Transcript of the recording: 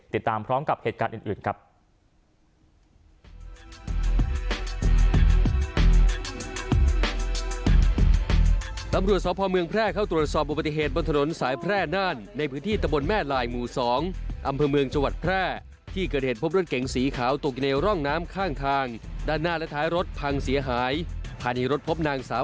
ติดตามพร้อมกับเหตุการณ์อื่นครับ